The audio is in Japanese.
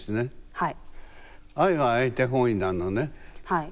はい。